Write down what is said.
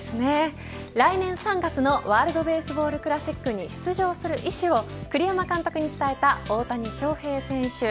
来年３月のワールドベースボールクラシックに出場する意思を栗山監督に伝えた大谷翔平選手。